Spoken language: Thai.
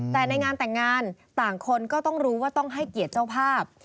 แต่ในงานแต่งงานต่างคนก็ต้องรู้ว่าต้องให้เกียรติเจ้าภาพ